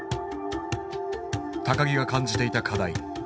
木が感じていた課題。